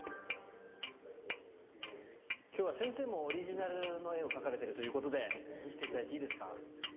今日は先生もオリジナルの絵を描かれてるということで見せて頂いていいですか？